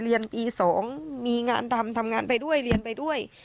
เรียนปี๒มีงานทำทำงานไปด้วยเรียนไปด้วย